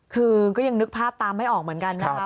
คือก็ยังนึกภาพตามไม่ออกเหมือนกันนะคะ